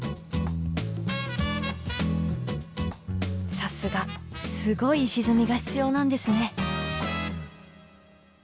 さすがすごい石積みが必要なんですね。